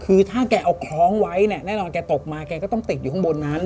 คือถ้าแกเอาคล้องไว้เนี่ยแน่นอนแกตกมาแกก็ต้องติดอยู่ข้างบนนั้น